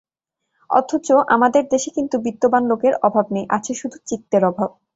অথচ আমাদের দেশে কিন্তু বিত্তবান লোকের অভাব নেই, আছে শুধু চিত্তের অভাব।